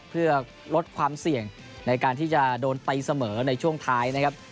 เพื่อลดความเสี่ยงในการที่จะโดนตีเสมอในช่วงท้ายนะครับ